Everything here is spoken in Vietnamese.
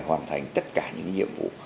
hoàn thành tất cả những nhiệm vụ